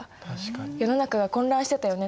世の中が混乱してたよね